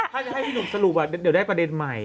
ถ้าจะให้พี่หนุ่มสรุปเดี๋ยวได้ประเด็นใหม่